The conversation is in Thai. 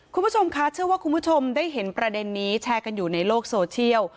คุณผู้ชมคะเชื่อว่าคุณผู้ชมได้เห็นประเด็นนี้แชร์กันอยู่ในโลกโซเชียล